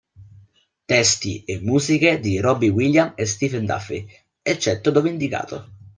Testi e musiche di Robbie Williams e Stephen Duffy, eccetto dove indicato.